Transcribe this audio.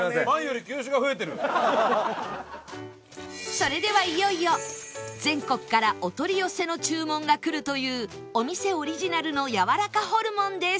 それではいよいよ全国からお取り寄せの注文がくるというお店オリジナルのやわらかホルモンです